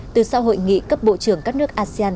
từ sau hội nghị cấp bộ trưởng các nước asean